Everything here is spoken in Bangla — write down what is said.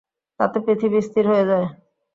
তাতে পৃথিবী স্থির হয়ে যায়।